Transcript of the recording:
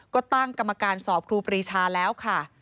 ก็ตั้งกรรมการสอบครูปรีชาแล้วค่ะ